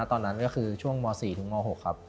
ตอนนั้นก็คือช่วงม๔ถึงม๖ครับ